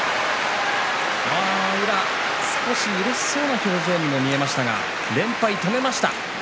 宇良、少しうれしそうな表情にも見えましたが連敗を止めました。